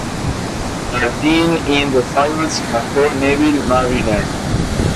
Martin in the Fields bajo Neville Marriner.